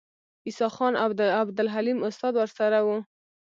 عیسی خان او عبدالحلیم استاد ورسره وو.